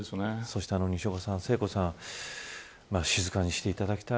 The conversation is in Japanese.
西岡さん、聖子さんには静かにしていただきたい。